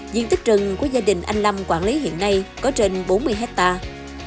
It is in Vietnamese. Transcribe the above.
diện tích rừng của gia đình anh lâm quản lý hiện nay có trên bốn mươi hectare